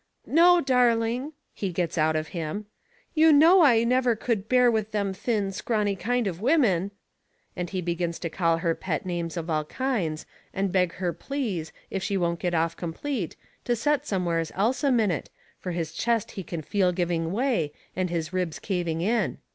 "No, darling," he gets out of him, "you know I never could bear them thin, scrawny kind of women." And he begins to call her pet names of all kinds and beg her please, if she won't get off complete, to set somewheres else a minute, fur his chest he can feel giving way, and his ribs caving in.